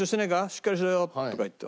しっかりしろよ」とか言って。